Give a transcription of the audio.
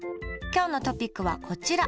今日のトピックはこちら。